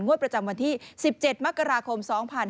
ประจำวันที่๑๗มกราคม๒๕๕๙